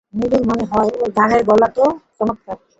নীলুর মনে হলো ওর গানের গলাও তো চমৎকার!